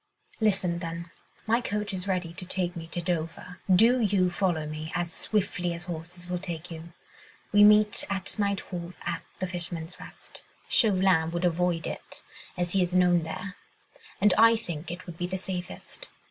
"Listen, then. My coach is ready to take me to Dover. Do you follow me, as swiftly as horses will take you. We meet at nightfall at 'The Fisherman's Rest.' Chauvelin would avoid it, as he is known there, and I think it would be the safest.